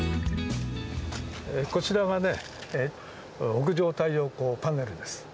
こちらが屋上太陽光パネルです。